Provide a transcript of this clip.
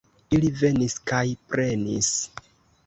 Ili venis kaj prenis!